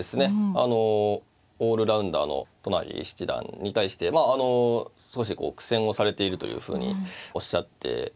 あのオールラウンダーの都成七段に対して少し苦戦をされているというふうにおっしゃっていたのでですね